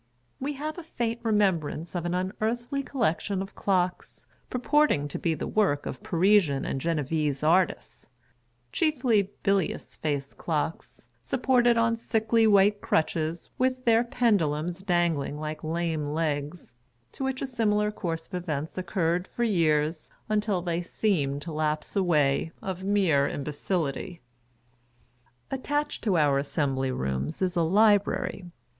We have a faint remembrance of an unearthly collection of clocks, purporting to be the svork of Parisian and Genevese artists — chiefly bilious faced clocks, supported on sickly white crutches, with their pendulums dangling like lame legs — to which a similar course of events occurred for several years, until they seemed to lapse away, of mere imbecility. Attached to our Assembly Rooms is a Library.